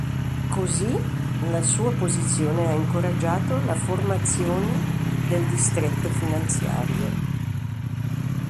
Così, la sua posizione ha incoraggiato la formazione del distretto finanziario.